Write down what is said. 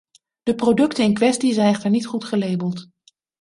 De producten in kwestie zijn echter niet goed gelabeld.